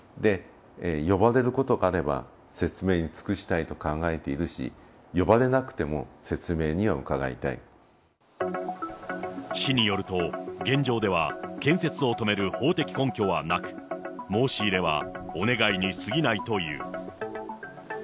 呼ばれることがあれば説明を尽くしたいと考えているし、市によると、現状では、建設を止める法的根拠はなく、申し入れはお願いにすぎないという。